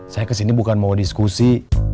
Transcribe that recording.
saya ke sini bukan mau diskusi